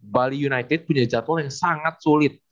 bali united punya jadwal yang sangat sulit